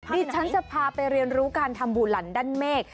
ดิฉันจะพาไปเรียนรู้การทำบูหลันด้านเมฆ